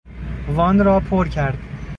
وان را پر کرد.